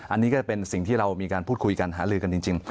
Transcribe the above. อันนี้ก็เป็นสิ่งที่เรามีการพูดคุยกันหาลือกันจริง